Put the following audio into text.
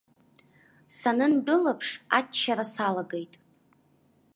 Санындәылыԥш, аччара салагеит.